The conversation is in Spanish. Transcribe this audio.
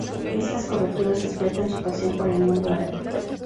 Estas coberturas despiertan su pasión por el Mundo Árabe.